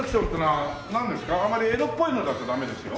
あんまりエロっぽいのだとダメですよ。